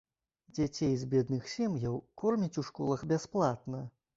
Дзяцей з бедных сем'яў кормяць у школах бясплатна.